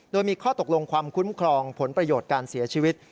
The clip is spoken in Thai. โดยมีข้อตกลงความคุ้มครองผลประโยชน์การเสียชีวิต